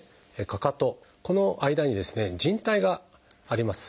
かかとこの間にですねじん帯があります。